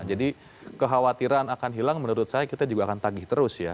jadi kekhawatiran akan hilang menurut saya kita juga akan tagih terus ya